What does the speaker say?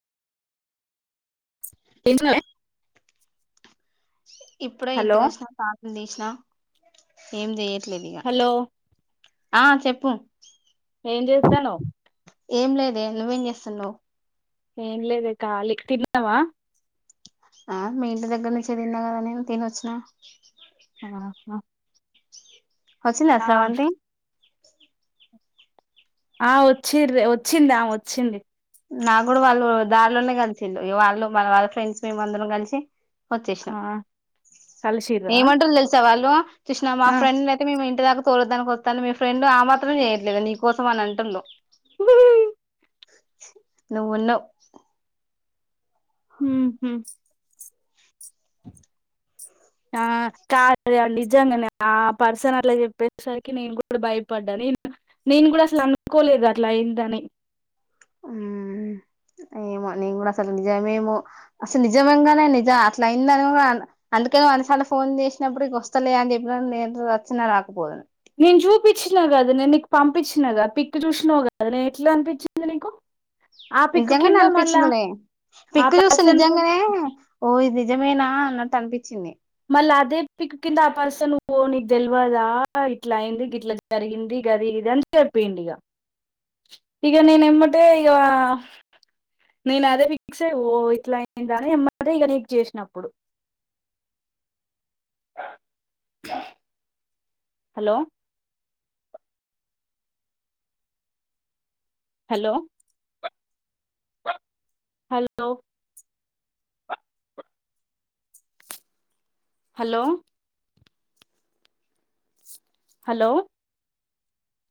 తింటునవే ఇప్పుడే ఇంటికి వచ్చిన ఫాన్ నేను తీసిన ఏం చెయరు క్లేలియా హలో ఆ చెప్పు ఏం చేస్తానవు ఏం లేదే నువ్వేం చేస్తున్నావ్ ఏంలేదే ఖాలి తిన్నవా ఆ మీ ఇంటి దగ్గర నుంచి తిన్నా కదా నేను తినోచ్చినా ఆహా వచ్చిందా ఆ స్రవంతి ఆ వచ్చిరే వచ్చింది ఆమే వచ్చింది నాకు కూడా వాళ్ళు దారిలోనే కలిసిళ్ళు వాళ్ళు వాళ్ళ ఫ్రెండ్స్ మేమందరం కలిసి వచ్చేసిన ఆ కలిసిర్రా ఏమంటులు తెలుసా వాళ్ళు చూసినవా ఆ ఫ్రెండ్ నైతే మేము ఇ ఇంటి దాకా తోలదానికి వస్తాళ్ళు మీ ఫ్రెండ్ ఆ మాత్రం చేయట్లేద నీ కోసం అని అంటుళ్ళు ఉహు నువ్వున్నవు హు హుమ్ ఆ కార్ నిజంగనే ఆ పర్సన్ అట్లా చెప్పేసరికి నేను కూడా భయపడ్డాన్ నేను కూడా అసలు అనుకోలేదు. అట్లా అయిందని ఊం ఏమో నేను కూడా అసలు నిజమేమో అసలు నిజమంగానే నిజ అట్ల అయిందని, కూడా అందుకనె అన్ని సార్లు ఫోన్ చేసినప్పుడు వస్తలే అని చెప్పిన నేను వచ్చినా రాకపోదును. నేను చూపించినా కాద నేను నీకు పంపించినా కదా పిక్ చూసినావు కాదు నే ఎట్లా అనిపించింది నీకు ఆ పిక్ నిజంగానే కింద మళ్ళా అనిపించిందిలే ఆ పిక్కు చూస్తనే పర్సన్ నిజంగానే కూడా ఓ ఇది నిజమేనా అన్నట్టు అనిపించింది మళ్ళీ అదే పిక్ కింద ఆ పర్సన్ ఓ నీకు తెలవదా. ఇట్లా అయింది. గిట్ల జరిగింది. గదే ఇది అని చెప్పిండు ఇగ ఇక నేను ఎమ్మటే, ఇక నేను అదే పిక్సే ఓ ఇట్లా అయిందా అని ఎమ్మటే ఇక నీకు చేసిన అప్పుడు. [inaudible] Hello hello hello hello hello